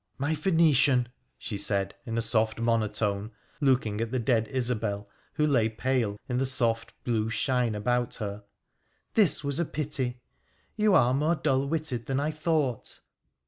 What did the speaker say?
' My Phoenician,' she said in soft monotone, looking at the dead Isobel who lay pale in the soft blue shine about her, ' this was a pity. You are more dull witted than I thought.'